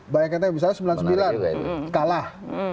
banyak yang tanya misalnya sembilan puluh sembilan kalah